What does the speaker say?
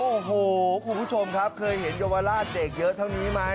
โอ้โหคุณผู้ชมครับเคยเห็นเยาวราชเด็กเยอะเท่านี้ไหม